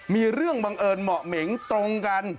มีเรื่องบังเอิญเหมาะเหม็งตรงกัน